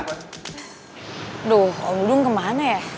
aduh om dudung kemana ya